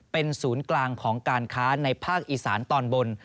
เป็นศูนย์กลางของการค้าในภาคอีสานตอนบน